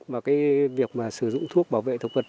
và cái việc mà sử dụng thuốc bảo vệ thực vật